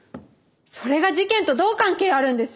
それが事件とどう関係あるんです？